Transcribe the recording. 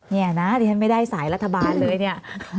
นี่นะอันนี้ไม่ได้สายรัฐบาลเลย